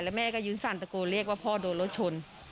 แม่ก็ยืนสั่นตะโกนเรียกว่าพ่อโดนรถชน